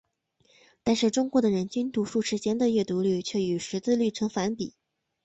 但是中国的人均读书时间的阅读率却与识字率呈反比。